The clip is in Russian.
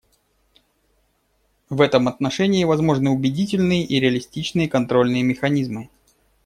В этом отношении возможны убедительные и реалистичные контрольные механизмы.